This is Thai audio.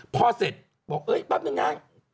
พอเสร็จบอกเอ๊ยป้องหนัง